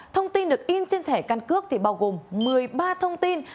thông tin được in trên thẻ căn cước thì bao gồm một mươi ba thông tin